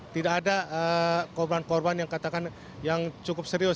tidak ada korban korban yang katakan yang cukup serius